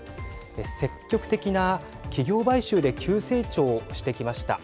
積極的な企業買収で急成長をしてきました。